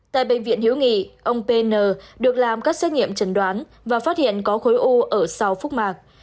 tại bệnh viện hiếu nghị ông pn được làm các xét nghiệm trần đoán và phát hiện có khối u ở sau phúc mạc